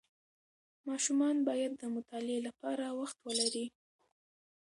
ماشومان باید د مطالعې لپاره وخت ولري.